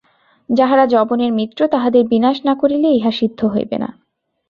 যাহারা যবনের মিত্র, তাহাদের বিনাশ না করিলে ইহা সিদ্ধ হইবে না।